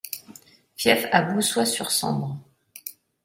Fief à Boussoit-sur-Sambre.